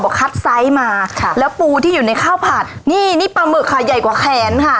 คัดไซส์มาค่ะแล้วปูที่อยู่ในข้าวผัดนี่นี่ปลาหมึกค่ะใหญ่กว่าแขนค่ะ